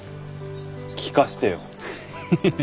聴かせてよ。